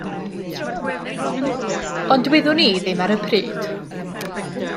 Ond wyddwn i ddim ar y pryd.